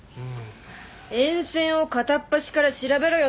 沿線を片っ端から調べろよ。